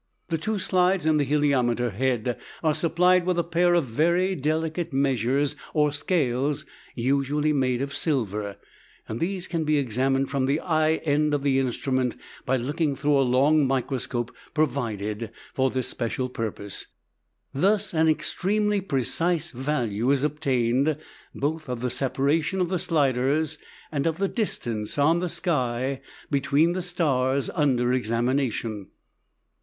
The two slides in the heliometer head are supplied with a pair of very delicate measures or "scales" usually made of silver. These can be examined from the eye end of the instrument by looking through a long microscope provided for this special purpose. Thus an extremely precise value is obtained both of the separation of the sliders and of the distance on the sky between the stars under examination.